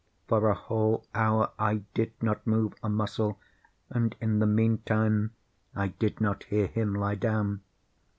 For a whole hour I did not move a muscle, and in the meantime I did not hear him lie down.